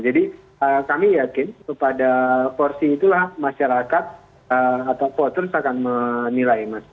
jadi kami yakin pada porsi itulah masyarakat atau potensi akan menilai